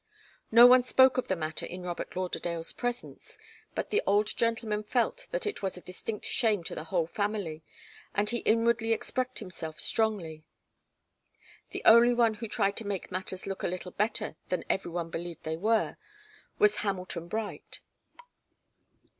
No one spoke of the matter in Robert Lauderdale's presence, but the old gentleman felt that it was a distinct shame to the whole family, and he inwardly expressed himself strongly. The only one who tried to make matters look a little better than every one believed they were, was Hamilton Bright.